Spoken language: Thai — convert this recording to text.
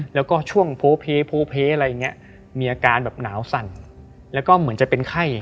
แล้วก็ช่วงโพเพมีอาการแบบหนาวสั่นแล้วก็เหมือนจะเป็นไข้